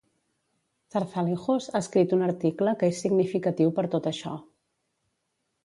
Zarzalejos ha escrit un article que és significatiu per tot això.